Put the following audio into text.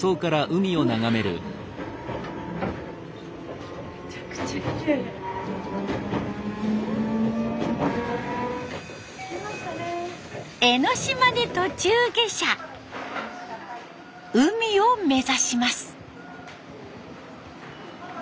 海を目指します。